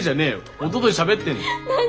おとといしゃべってんじゃん。何？